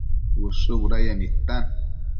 Ushë budayec nidtan